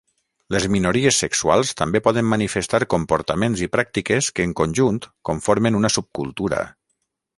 Les minories sexuals també poden manifestar comportaments i pràctiques que en conjunt conformen una subcultura.